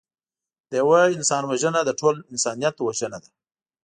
د یوه انسان وژنه د ټول انسانیت وژنه ده